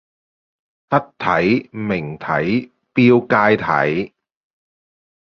黑體明體標楷體